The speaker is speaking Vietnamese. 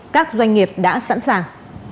các doanh nghiệp đã sẵn sàng